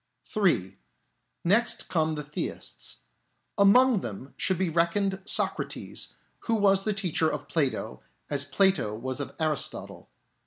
(3) Next come the Theists. Among them should be reckoned Socrates, who was the teacher of Plato as Plato was of Aristotle.